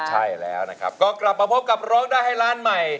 ใช่แล้วนะครับก็กลับมาพบกับร้องได้ให้ล้านใหม่